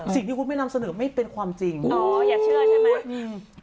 สิ่งที่คุณไม่นำเสนอไม่เป็นความจริงอ๋ออย่าเชื่อใช่ไหมอืม